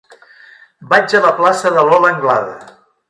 Vaig a la plaça de Lola Anglada.